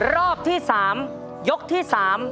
รอบที่๓ยกที่๓